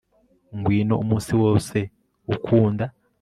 Ngwino umunsi wose ukunda